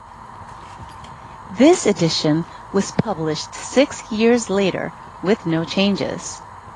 This edition was published six years later with no changes.